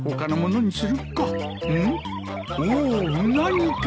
おおうなぎか！